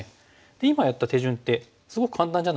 今やった手順ってすごく簡単じゃないですか？